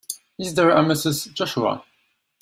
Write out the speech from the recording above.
Is there a Mrs. Joshua?